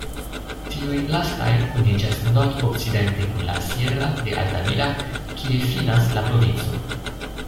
Tiuj lastaj kuniĝas nordokcidente kun la "sierra" de Altamira, kie finas la provinco.